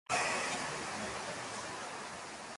La plaza se dedicó a Karl Marx y Friedrich Engels.